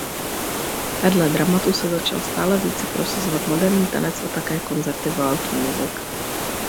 Vedle dramatu se začal stále více prosazovat moderní tanec a také koncerty world music.